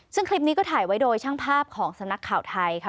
ซึ่งคลิปนี้ก็ถ่ายไว้โดยช่างภาพของสำนักข่าวไทยค่ะ